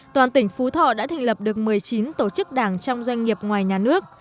toàn tỉnh phú thọ đã thành lập được một mươi chín tổ chức đảng trong doanh nghiệp ngoài nhà nước